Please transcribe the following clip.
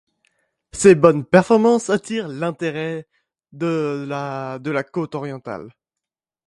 Ses bonnes performances attirent l'intérêt de la de la côte orientale.